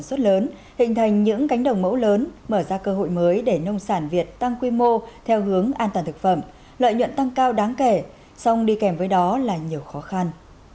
các doanh nghiệp tự thuê đất lớn hình thành những cánh đồng mẫu lớn mở ra cơ hội mới để nông sản việt tăng quy mô theo hướng an toàn thực phẩm lợi nhuận tăng cao đáng kể xong đi kèm với đó là nhiều khó khăn